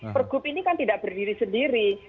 pergub ini kan tidak berdiri sendiri